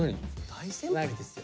大先輩ですよ。